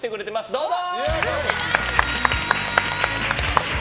どうぞ！